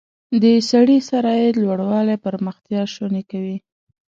د سړي سر عاید لوړوالی پرمختیا شونې کوي.